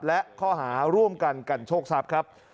และข้อหาร่วมกันกันโชคทรัพย์ครับ